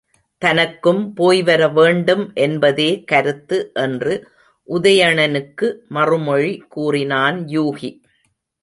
தனக்கும் போய்வர வேண்டும் என்பதே கருத்து என்று உதயணனுக்கு மறுமொழி கூறினான் யூகி.